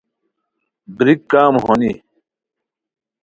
بریک کم ہونی